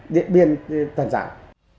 điện biên toàn dạng